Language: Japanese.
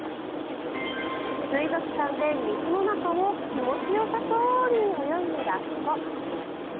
水族館で水の中を気持ちよさそうに泳ぐラッコ。